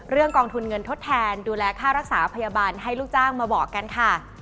กองทุนเงินทดแทนดูแลค่ารักษาพยาบาลให้ลูกจ้างมาบอกกันค่ะ